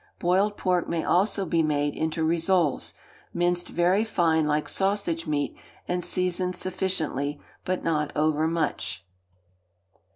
Boiled pork may also he made into rissoles, minced very fine like sausage meat, and seasoned sufficiently, but not over much.